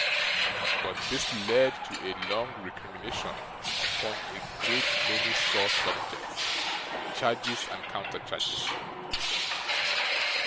But this led to a long recrimination upon a great many sore subjects, charges, and counter charges.